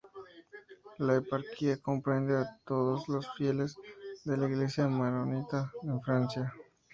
La eparquía comprende a todos los fieles de la Iglesia maronita en Francia.